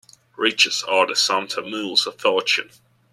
Riches are the sumpter mules of fortune